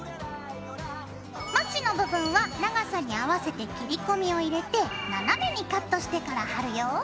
まちの部分は長さに合わせて切り込みを入れて斜めにカットしてから貼るよ。